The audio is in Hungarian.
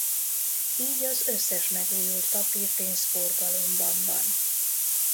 Így az összes megújult papírpénz forgalomban van.